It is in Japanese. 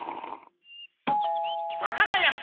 魚屋さん！